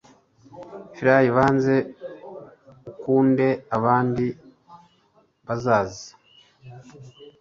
f.l.y. banza ukunde. abandi bazaza